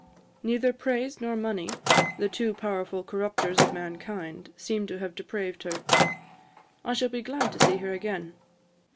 Neither praise nor money, the two powerful corrupters of mankind, seem to have depraved her. I shall be glad to see her again.